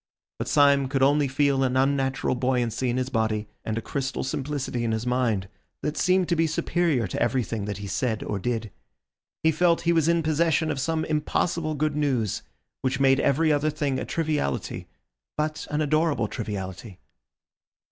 But Syme could only feel an unnatural buoyancy in his body and a crystal simplicity in his mind that seemed to be superior to everything that he said or did. He felt he was in possession of some impossible good news, which made every other thing a triviality, but an adorable triviality.